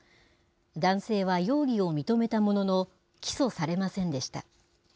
男性は容疑を認めたものの、起訴されませんでした。